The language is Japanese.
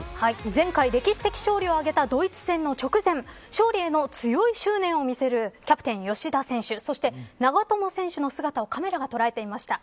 前回歴史的勝利を挙げたドイツ戦の直前勝利への強い執念を見せるキャプテン、吉田選手そして長友選手の姿をカメラが捉えていました。